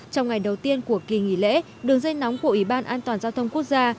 trong ngày đầu tiên của kỳ nghỉ lễ đường dây nóng của ủy ban an toàn giao thông quốc gia